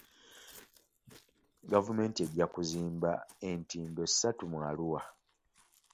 Gavumenti ejja kuzimba entindo ssatu mu Arua.